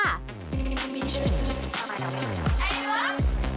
อะไรเหรอ